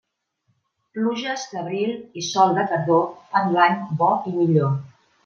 Pluges d'abril i sol de tardor fan l'any bo i millor.